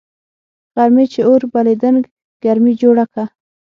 غرمې چي اور بلېدنگ ګرمي جوړه که